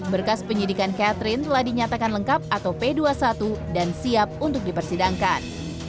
berkas penyidikan catherine telah dinyatakan lengkap atau p dua puluh satu dan siap untuk dipersidangkan